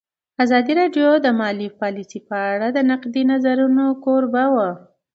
ازادي راډیو د مالي پالیسي په اړه د نقدي نظرونو کوربه وه.